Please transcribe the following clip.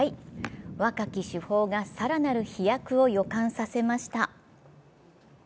若き主砲が更なる飛躍を予感させました。